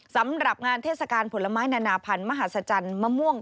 สำหรับงานเทศกาลผลไม้นานาพันธ์มหาศจรรย์มะม่วง